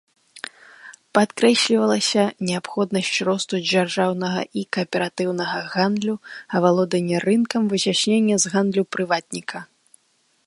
Падкрэслівалася неабходнасць росту дзяржаўнага і кааператыўнага гандлю, авалоданне рынкам, выцясненне з гандлю прыватніка.